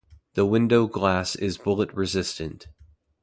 The window glass is bullet-resistant.